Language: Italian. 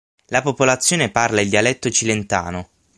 La popolazione parla il dialetto cilentano.